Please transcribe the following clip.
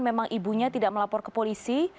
memang ibunya tidak melapor ke polisi